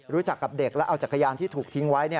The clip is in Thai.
รู้จักกับเด็กแล้วเอาจักรยานที่ถูกทิ้งไว้